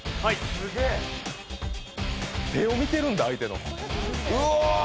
手を見てるんだ、相手の。